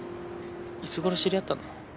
いつ頃知り合ったの？